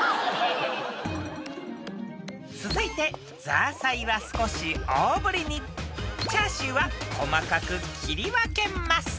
［続いてザーサイは少し大ぶりにチャーシューは細かく切り分けます］